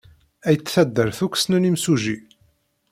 Ayt taddart akk ssnen imsujji.